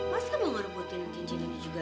masa mau merebutin cincin ini juga